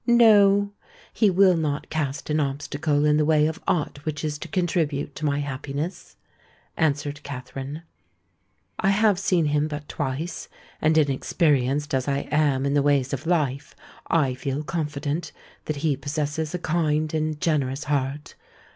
"No: he will not cast an obstacle in the way of aught which is to contribute to my happiness," answered Katherine. "I have seen him but twice, and, inexperienced as I am in the ways of life, I feel confident that he possesses a kind and generous heart.